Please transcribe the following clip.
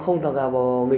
trong đó có một đối tượng nữ